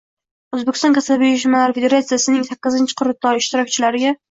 O‘zbekiston Kasaba uyushmalari federatsiyasining sakkizinchi qurultoyi ishtirokchilariga